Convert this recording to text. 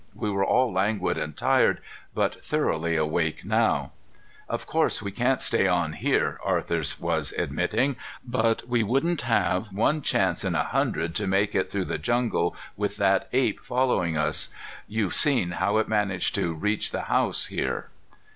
We were all languid and tired, but thoroughly awake now. "Of course we can't stay on here," Arthur was admitting, "but we wouldn't have one chance in a hundred to make it through the jungle with that ape following us. You've seen how it manages to reach the house here."